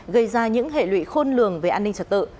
gây ra những hệ lụy khôn lường về an ninh trật tự